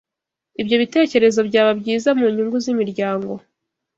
ibyo bitekerezo byaba byiza munyungu zimiryango